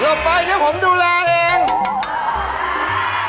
เดี๋ยวไปนี่ผมดูแลเอง